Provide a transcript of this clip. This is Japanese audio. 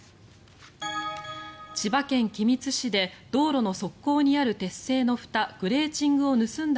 千葉県君津市で道路の側溝にある鉄製のふたグレーチングを盗んだ